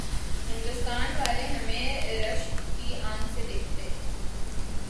ہندوستان والے ہمیں رشک کی آنکھ سے دیکھتے۔